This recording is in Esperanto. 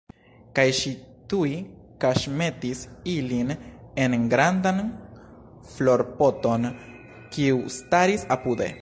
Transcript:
Kaj ŝi tuj kaŝmetis ilin en grandan florpoton, kiu staris apude.